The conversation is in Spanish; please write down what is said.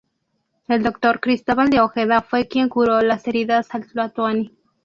El doctor Cristóbal de Ojeda fue quien curó las heridas al tlatoani.